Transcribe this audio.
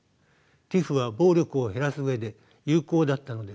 ＴＩＰＨは暴力を減らす上で有効だったのです。